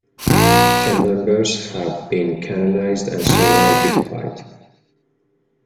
Ten members have been canonized and several beatified.